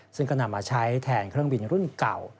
ซึ่งก็นำมาใช้แทนเครื่องบินรุ่นเก่า